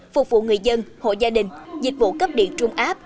phục vụ người dân hộ gia đình dịch vụ cấp điện trung áp